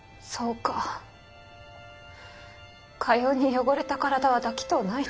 かように汚れた体は抱きとうないと。